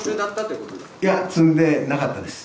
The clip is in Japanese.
いや、積んでなかったです。